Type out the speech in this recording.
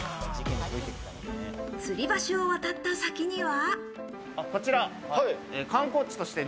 吊橋を渡った先には。